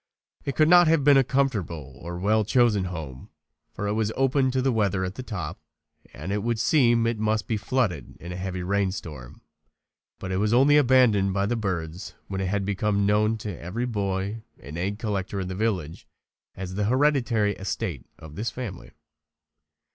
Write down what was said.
It could not have been a comfortable or well chosen home, for it was open to the weather at the top and it would seem as if it must be flooded in a heavy rain storm. But it was only abandoned by the birds when it had become known to every boy and egg collector in the village as the hereditary estate of this family.